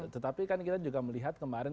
tetapi kan kita juga melihat kemarin